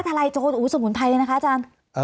ฟ้าทลายโจทย์อู๋สมุนไพรเลยนะครับอาจารย์